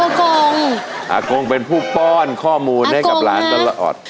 อากงเป็นผู้ป้อนข้อมูลให้กับหลานตลอด